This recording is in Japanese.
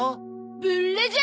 ブ・ラジャー！